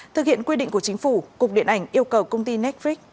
thực hiện quy định của chính phủ cục điện ảnh yêu cầu công ty netflix